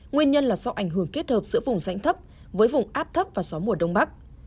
nguyên nhân là do ảnh hưởng kết hợp giữa vùng sảnh thấp với vùng áp thấp và gió mùa đông bắc